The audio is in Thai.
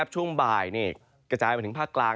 ช่วงบ่ายค่อยจะลายมาผ่านถึงภาคกลาง